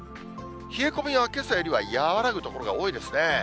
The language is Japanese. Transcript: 冷え込みはけさよりは和らぐ所が多いですね。